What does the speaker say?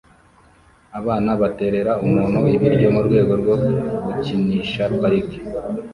Abana baterera umuntu ibiryo murwego rwo gukinisha parike